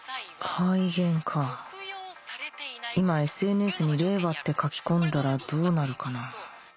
改元か今ＳＮＳに「令和」って書き込んだらどうなるかなぁ？